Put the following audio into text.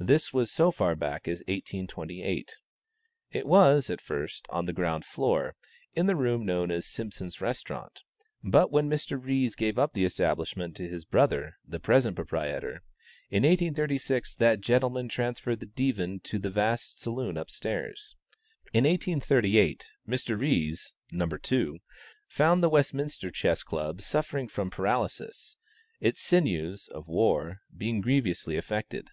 This was so far back as 1828. It was, at first, on the ground floor, in the room known as Simpson's Restaurant, but when Mr. Ries gave up the establishment to his brother, the present proprietor, in 1836, that gentleman transferred the Divan to the vast saloon up stairs. In 1838, Mr. Ries (No. 2) found the Westminster Chess Club suffering from paralysis, its sinews (of war) being grievously affected.